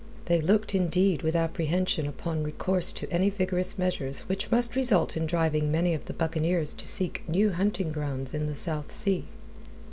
They looked, indeed, with apprehension upon recourse to any vigorous measures which must result in driving many of the buccaneers to seek new hunting grounds in the South Sea.